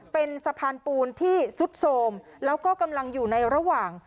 เป็นสะพานปูนที่สุดโสมแล้วก็กำลังอยู่ในระหว่าง